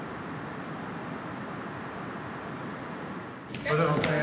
・おはようございます。